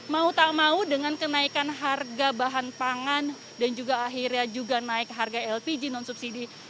mau tak mau dengan kenaikan harga bahan pangan dan juga akhirnya juga naik harga lpg non subsidi